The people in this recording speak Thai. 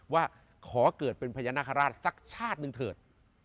ว่าขอเกิดเป็นพญานาคาราชสักชาติหนึ่งเถิด